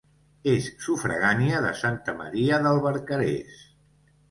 És sufragània de Santa Maria del Barcarès.